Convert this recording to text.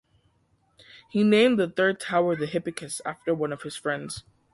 He named the third tower the Hippicus after one of his friends.